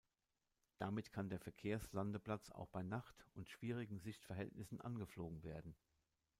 Damit kann der Verkehrslandeplatz auch bei Nacht und schwierigen Sichtverhältnissen angeflogen werden.